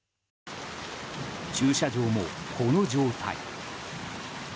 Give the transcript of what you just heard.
駐車場もこの状態。